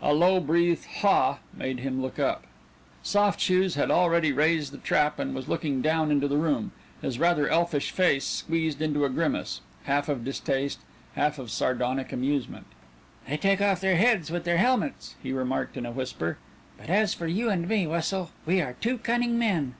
A low breathed "Ha!" made him look up. Soft Shoes had already raised the trap and was looking down into the room, his rather elfish face squeezed into a grimace, half of distaste, half of sardonic amusement. "They take off their heads with their helmets," he remarked in a whisper, "but as for you and me, Wessel, we are two cunning men."